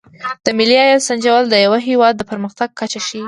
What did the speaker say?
د ملي عاید سنجول د یو هېواد د پرمختګ کچه ښيي.